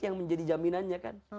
yang menjadi jaminannya kan